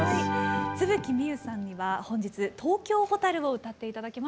津吹みゆさんには本日「東京ホタル」を歌って頂きます。